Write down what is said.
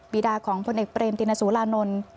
ดาของพลเอกเบรมตินสุรานนท์